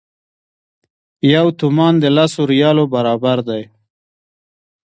یو تومان د لسو ریالو برابر دی.